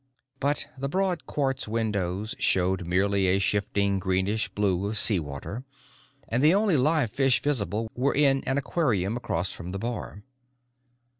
But the broad quartz windows showed merely a shifting greenish blue of seawater, and the only live fish visible were in an aquarium across from the bar.